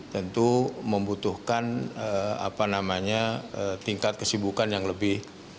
tentu membutuhkan tingkat kesibukan yang lebih